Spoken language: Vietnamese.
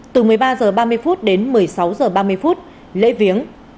từ một mươi ba giờ ba mươi phút đến một mươi sáu giờ ba mươi phút lễ viếng